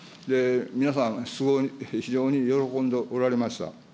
皆さん、非常に喜んでおられました。